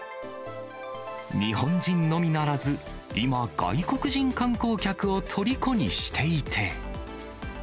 日本人のみならず、今、外国人観光客をとりこにしていて。